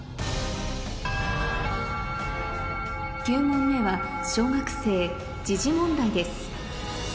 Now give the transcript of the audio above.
９問目は小学生時事問題です